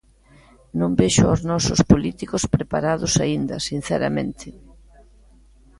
Non vexo os nosos políticos preparados aínda, sinceramente.